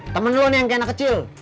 temen lo nih yang kayak anak kecil